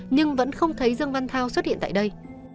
nhưng vẫn không thấy dương văn thao xuất hiện tại đây